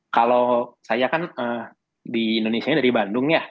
kalau saya kan di indonesia dari bandung ya